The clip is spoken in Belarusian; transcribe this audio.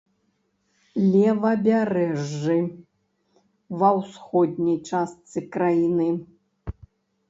Левабярэжжы, ва ўсходняй частцы краіны.